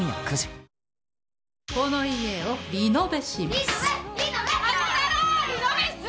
この家をリノベします。